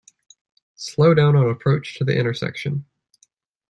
Slow down on approach to the intersection.